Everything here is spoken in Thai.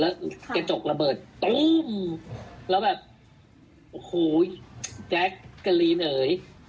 แล้วกระจกระเบิดตู้มแล้วแบบโอ้โหแจ๊กกะลีนเอ๋ย